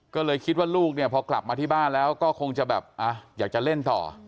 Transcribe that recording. ก็เลยคิดว่าลูกเนี่ยพอกลับมาที่บ้านแล้วก็คงจะแบบอยากจะเล่นต่อ